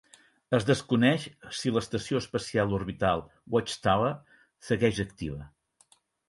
Es desconeix si l'estació espacial orbital Watchtower segueix activa.